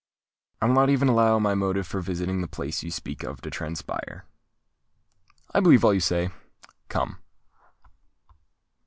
"I will not even allow my motive for visiting the place you speak of to transpire." "I believe all you say. Come!"